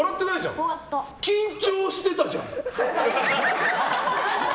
緊張してたじゃん！